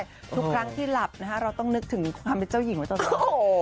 ทุกครั้งที่หลับนะคะเราต้องนึกถึงความเป็นเจ้าหญิงไว้ตลอด